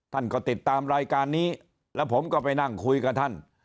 ท่านก็ติดตามรายการนี้แล้วผมก็ไปนั่งคุยกับท่าน